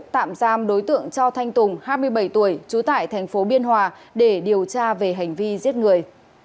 tạm giam đối tượng cho thanh tùng hai mươi bảy tuổi trú tại thành phố biên hòa để điều tra về hành vi giết người